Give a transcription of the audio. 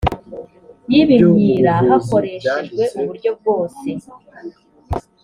y ibimyira hakoreshejwe uburyo bwose